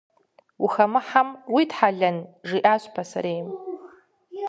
«Ухэмыхьэм уитхьэлэн?» – жиӏащ пасарейм.